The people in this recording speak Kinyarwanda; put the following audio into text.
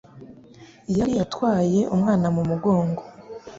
Yari atwaye umwana mu mugongo.